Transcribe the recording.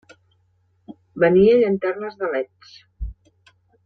Venia llanternes de leds.